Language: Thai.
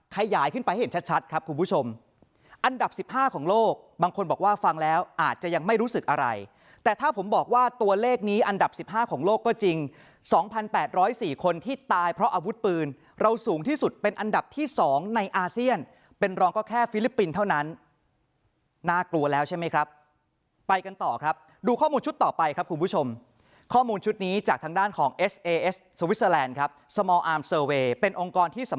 ขยายขึ้นไปให้เห็นชัดชัดครับคุณผู้ชมอันดับสิบห้าของโลกบางคนบอกว่าฟังแล้วอาจจะยังไม่รู้สึกอะไรแต่ถ้าผมบอกว่าตัวเลขนี้อันดับสิบห้าของโลกก็จริงสองพันแปดร้อยสี่คนที่ตายเพราะอาวุธปืนเราสูงที่สุดเป็นอันดับที่สองในอาเซียนเป็นรองก็แค่ฟิลิปปินส์เท่านั้นน่ากลัวแล้วใช่ไหมครั